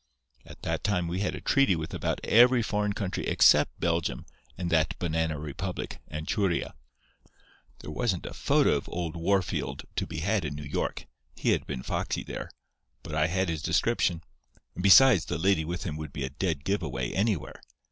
At that time we had a treaty with about every foreign country except Belgium and that banana republic, Anchuria. There wasn't a photo of old Wahrfield to be had in New York—he had been foxy there—but I had his description. And besides, the lady with him would be a dead give away anywhere.